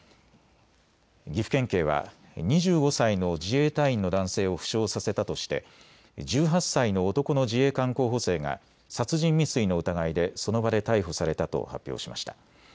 岐阜県警は２５歳の自衛隊員の男性を負傷させたとして１８歳の男の自衛官候補生が殺人未遂の疑いでその場で逮捕されたと発表しました。